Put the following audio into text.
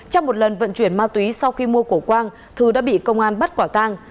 trong một lần vận chuyển ma túy sau khi mua cổ quang thư đã bị công an bắt quả tang